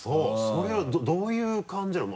それはどういう感じなの？